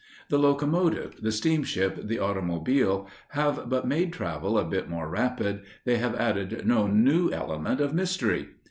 The locomotive, the steamship, the automobile have but made travel a bit more rapid, they have added no new element of mystery.